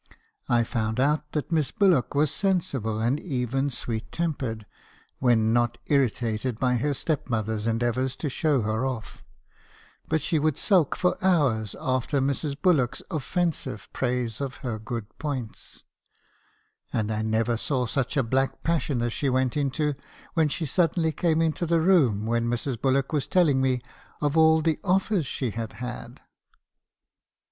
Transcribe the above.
I found out that Miss Bullock was sensible, and even sweet tempered, when not irritated by her step mother's endeavours to show her off. But she would sulk for hours after Mrs. Bullock's offensive praise of her good points. And I never saw such a black passion as she went into when she suddenly came into the room when Mrs. Bullock was telling me of all the offers she had had.